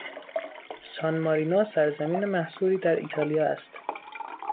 سانمارینو سرزمین محصوری در ایتالیا است.